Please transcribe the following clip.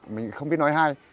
mình không biết nói hay